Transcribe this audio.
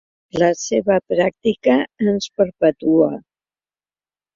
La seva pràctica ens perpetua.